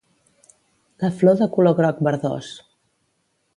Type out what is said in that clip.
La flor de color groc verdós.